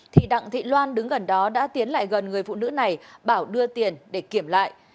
thì đặng thị loan đứng gần đó đã tiến lại gần người phụ nữ này bảo đưa tiền để kiểm lại